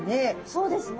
そうですね。